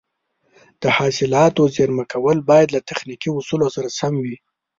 د حاصلاتو زېرمه کول باید له تخنیکي اصولو سره سم وي.